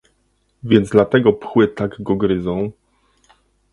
"Więc dlatego pchły tak go gryzą?"